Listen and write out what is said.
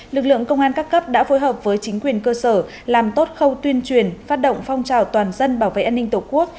lực lượng công an các cấp đã phối hợp với chính quyền cơ sở làm tốt khâu tuyên truyền phát động phong trào toàn dân bảo vệ an ninh tổ quốc